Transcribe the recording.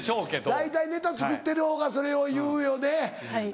大体ネタ作ってるほうがそれを言うよね。